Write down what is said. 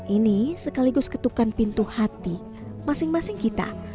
ini sekaligus ketukan pintu hati masing masing kita